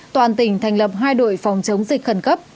toàn tỉnh thành lập hai đội phòng chống dịch khẩn cấp